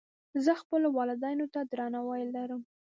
زه خپلو والدینو ته درناوی لرم.